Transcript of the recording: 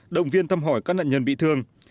động viên thăm hỏi các nạn nhân bị thương